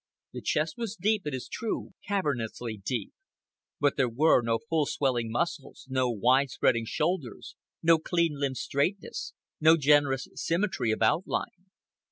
The chest was deep, it is true, cavernously deep; but there were no full swelling muscles, no wide spreading shoulders, no clean limbed straightness, no generous symmetry of outline.